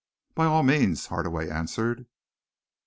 "By all means," Hardaway answered.